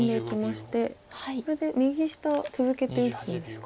これで右下続けて打つんですか？